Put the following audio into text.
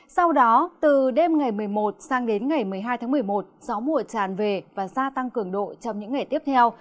sau đó từ đêm ngày một mươi một sang đến ngày một mươi hai tháng một mươi một gió mùa tràn về và gia tăng cường độ trong những ngày tiếp theo